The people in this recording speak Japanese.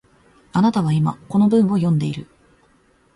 あなたは今、この文を読んでいる